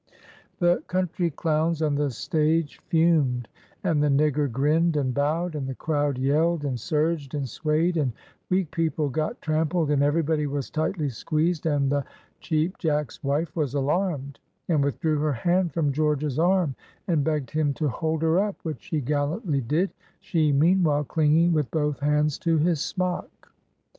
The country clowns on the stage fumed, and the nigger grinned and bowed, and the crowd yelled, and surged, and swayed, and weak people got trampled, and everybody was tightly squeezed, and the Cheap Jack's wife was alarmed, and withdrew her hand from George's arm, and begged him to hold her up, which he gallantly did, she meanwhile clinging with both hands to his smock.